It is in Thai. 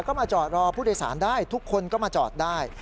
ก็มาจอดรอผู้โดยสารได้ทุกคนก็มาจอดได้